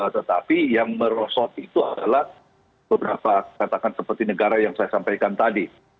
tetapi yang merosot itu adalah beberapa katakan seperti negara yang saya sampaikan tadi